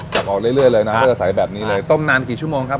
ตักออกเรื่อยเรื่อยเลยนะถ้าจะใสแบบนี้เลยต้มนานกี่ชั่วโมงครับ